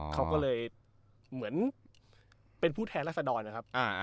เขาก็เลยเหมือนเป็นผู้แทนรัศดรนะครับ